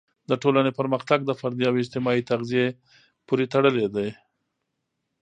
د ټولنې پرمختګ د فردي او اجتماعي تغذیې پورې تړلی دی.